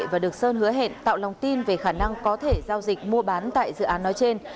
và được sơn hứa hẹn tạo lòng tin về khả năng có thể giao dịch mua bán tại dự án nói trên